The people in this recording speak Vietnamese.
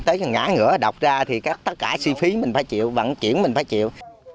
tới ngã ngửa đọc ra thì tất cả chi phí mình phải chịu vận chuyển mình phải chịu